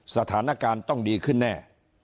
สถานการณ์ต้องดีขึ้นแน่